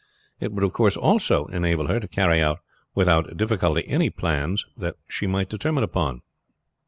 It would also enable her to carry out without difficulty any plans she might determine upon.